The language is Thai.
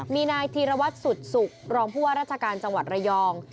มีนายธีรวัตรสุดสุขรองผู้ว่าราชการจังหวัดระยอง